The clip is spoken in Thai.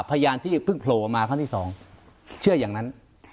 พยานที่เพิ่งโผล่มาครั้งที่สองเชื่ออย่างนั้น